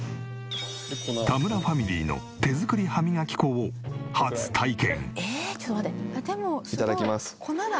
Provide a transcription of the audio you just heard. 田村ファミリーの手作り歯磨き粉を初体験。